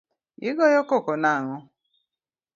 Igoyo koko nang'o?